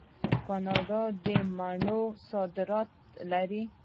کاناډا د مڼو صادرات لري.